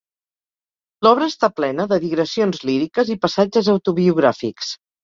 L'obra està plena de digressions líriques i passatges autobiogràfics.